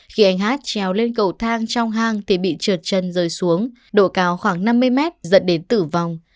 khi anh hát treo lên cầu thang trong hang thì bị trượt chân rơi xuống độ cao khoảng năm mươi m dẫn đến tử vong